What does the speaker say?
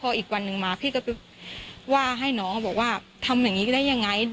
พออีกวันหนึ่งมาพี่ก็ว่าให้น้องเขาบอกว่าทำอย่างนี้ได้ยังไง